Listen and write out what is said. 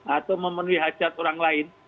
atau memenuhi hajat orang lain